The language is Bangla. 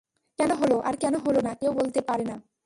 কেন হলো, আর কেন হলো না, কেউ বলতে পারে না।